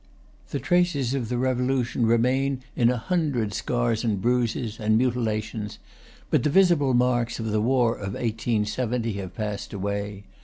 The traces of the Revolution remain in a hundred scars and bruises and mutilations, but the visible marks of the war of 1870 have passed away.